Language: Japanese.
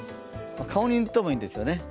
顔に塗ってもいいんですよね。